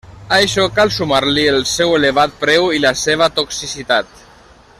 A això cal sumar-li el seu elevat preu i la seva toxicitat.